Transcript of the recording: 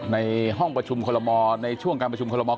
ในห้องประชุมคณะรัฐมนตรีในช่วงการประชุมคณะรัฐมนตรี